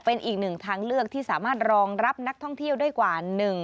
เป็นอีกหนึ่งทางเลือกที่สามารถรองรับนักท่องเที่ยวได้กว่า